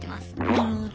なるほど。